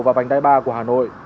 và vành đai ba của hà nội